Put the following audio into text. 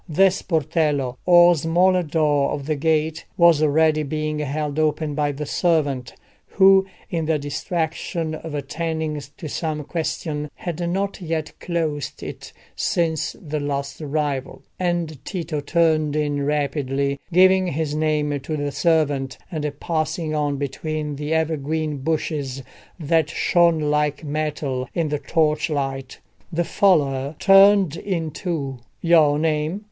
The sportello, or smaller door of the gate, was already being held open by the servant, who, in the distraction of attending to some question, had not yet closed it since the last arrival, and Tito turned in rapidly, giving his name to the servant, and passing on between the evergreen bushes that shone like metal in the torchlight. The follower turned in too. "Your name?"